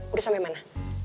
udah sampe mana